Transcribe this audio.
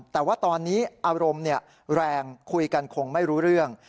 แต่ว่าตอนนี้อารมณ์แรงคุยกันคงไม่รู้เรื่อง